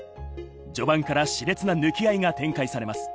序盤から熾烈な抜き合いが展開されます。